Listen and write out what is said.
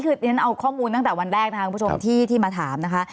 เพราะฉะนั้นเอาข้อมูลตั้งแต่วันแรกที่มาถามนะคะ